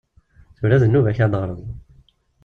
Tura d nnuba-k ad d-teɣreḍ.